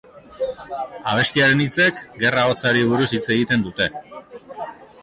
Abestiaren hitzek Gerra Hotzari buruz hitz egiten dute.